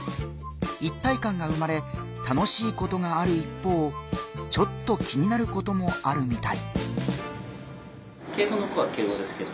一体感が生まれ楽しいことがある一方ちょっと気になることもあるみたい。